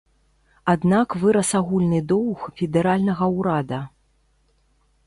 Аднак вырас агульны доўг федэральнага ўрада.